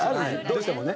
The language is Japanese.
どうしてもね。